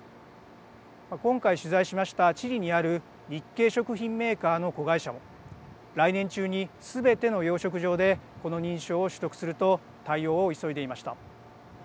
今回取材しましたチリにある日系食品メーカーの子会社も来年中に、すべての養殖場でこの認証を取得すると対応を急いでいました。